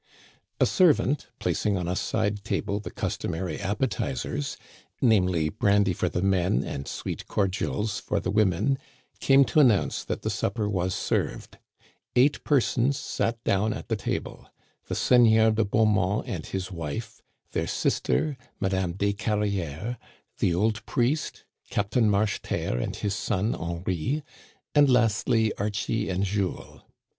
A servant, placing on a side table the customary appe tizers, namely, brandy for the men and sweet cordials for the women, came to announce that the supper was Digitized by VjOOQIC 73 THE CANADIANS OF OLD. served. Eight persons sat down at the table — the Seig neur de Beaumont and his wife ; their sister, Madame Descarrières ; the old priest ; Captain Marcheterre and his son Henri ; and lastly Archie and Jules.